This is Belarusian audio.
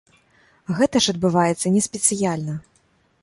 Гэта ж адбываецца не спецыяльна.